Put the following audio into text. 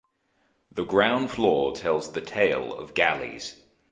The ground floor tells the tale of galleys.